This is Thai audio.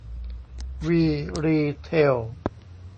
วีรีเทล